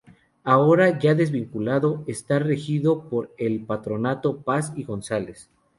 Ahora, ya desvinculado, está regido por el Patronato Paz y González.